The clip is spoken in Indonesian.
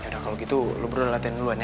yaudah kalo gitu lo berdoa latihan duluan ya